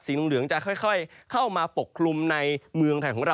เหลืองจะค่อยเข้ามาปกคลุมในเมืองไทยของเรา